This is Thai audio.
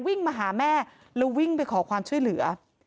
วิ่งมาหาแม่แล้ววิ่งไปขอความช่วยเหลือ